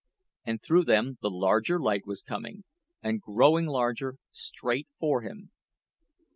And through them the larger light was coming and growing larger straight for him.